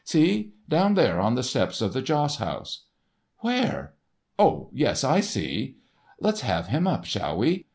"See—down there on the steps of the joss house?" "Where? Oh, yes, I see." "Let's have him up. Shall we?